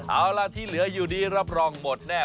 เอาล่ะที่เหลืออยู่ดีรับรองหมดแน่